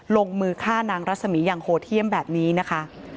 ลงมือฆ่านางรัศมีอย่างโหดเยี่ยมแบบนี้นะคะ